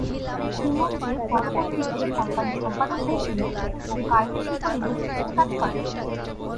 Simon যে পরবর্তীতে কোম্পানির সম্পাদক হয়েছিল ও কার্বি শিল্প নির্দেশক হিসেবে কাজ করে।